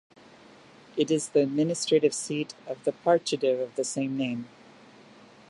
It is the administrative seat of the "partido" of the same name.